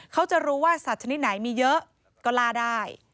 เขาจะรู้ว่าสัตว์ชนิดไหนมีเยอะก็ล่าได้